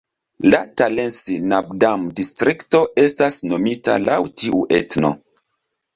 La Talensi-Nabdam-Distrikto estas nomita laŭ tiu etno.